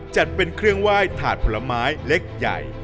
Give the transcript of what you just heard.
จัดเป็นเครื่องไหว้ถาดผลไม้เล็กใหญ่